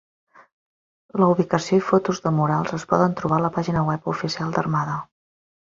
La ubicació i fotos de murals es poden trobar a la pàgina web oficial d'Armada.